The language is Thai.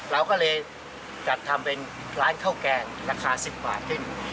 เราก็เลยจัดทำเป็นร้านข้าวแกงราคา๑๐บาทขึ้น